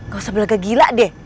gak usah bela gagila deh